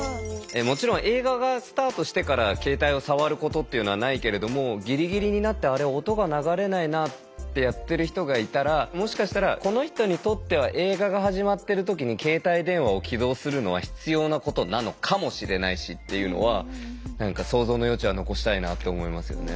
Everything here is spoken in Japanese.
もちろん映画がスタートしてから携帯を触ることっていうのはないけれどもギリギリになって「あれ？音が流れないな」ってやってる人がいたらもしかしたらこの人にとっては映画が始まってる時に携帯電話を起動するのは必要なことなのかもしれないしっていうのは想像の余地は残したいなって思いますよね。